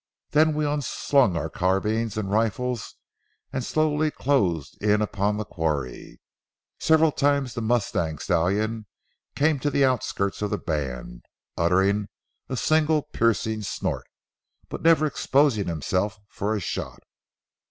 Then we unslung our carbines and rifles and slowly closed in upon the quarry. Several times the mustang stallion came to the outskirts of the band, uttering a single piercing snort, but never exposed himself for a shot.